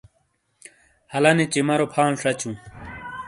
ہَلانی چِمارو فال شچٗوں۔